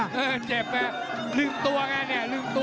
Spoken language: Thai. นี่มีเวลาก็จะ่มลืมตัว๑๙๕๕